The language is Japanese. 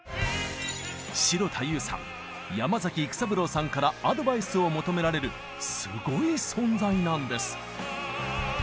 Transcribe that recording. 城田優さん山崎育三郎さんからアドバイスを求められるすごい存在なんです！